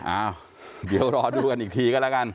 อ้าวเดี๋ยวรอดูกันอีกทีก็แล้วกัน